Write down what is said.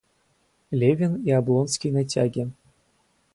Левин и Облонский на тяге.